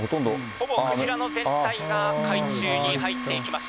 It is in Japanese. ほぼクジラの体が海中に入っていきました。